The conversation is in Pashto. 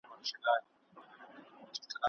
د بيان آزادي د پرمختګ نښه ده.